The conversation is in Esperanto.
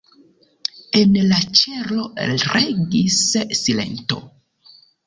En la ĉelo regis silento.